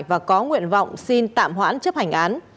và có nguyện vọng xin tạm hoãn chấp hành án